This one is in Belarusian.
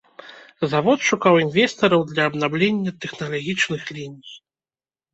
Завод шукаў інвестараў для абнаўлення тэхналагічных ліній.